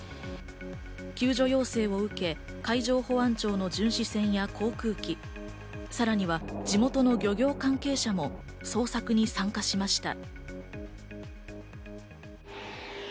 救助要請を受け、海上保安庁の巡視船や航空機、さらには地元の漁業関係者も捜索に参加しました。